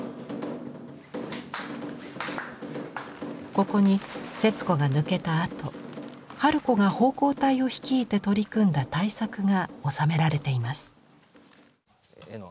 ここに節子が抜けたあと春子が奉公隊を率いて取り組んだ大作が収められています。